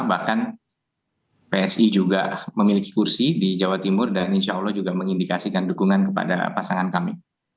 bahkan psi juga memiliki kursi di jawa timur dan insya allah juga mengindikasikan dukungan kepada pasangan kami